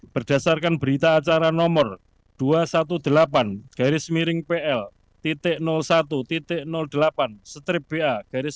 berdasarkan berita acara nomor dua ratus delapan belas pl satu delapan ba lima dua ribu dua puluh empat